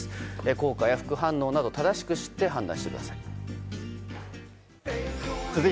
効果や副反応など正しく知って判断してください。